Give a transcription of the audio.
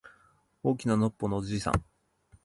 大きなのっぽのおじいさん